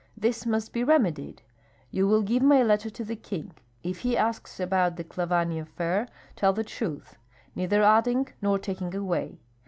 This must be remedied. You will give my letter to the king. If he asks about the Klavany affair, tell the truth, neither adding nor taking away.